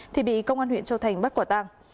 thì bị công an huyện châu thành bắt quả tang